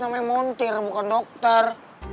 montir mau ke dokter